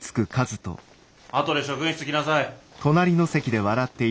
あとで職員室来なさい。